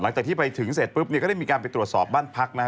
หลังจากที่ไปถึงเสร็จปุ๊บเนี่ยก็ได้มีการไปตรวจสอบบ้านพักนะฮะ